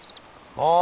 ああ